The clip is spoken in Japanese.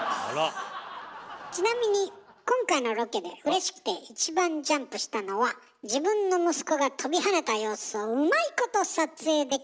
ちなみに今回のロケでうれしくて一番ジャンプしたのは自分の息子が跳びはねた様子をうまいこと撮影できた。